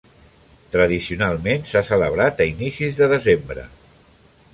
Tradicionalment s'ha celebrat a inicis de desembre.